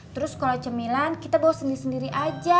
terus kalau cemilan kita bawa sendiri sendiri aja